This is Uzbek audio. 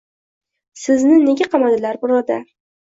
— Sizni nega kamadilar, birodar?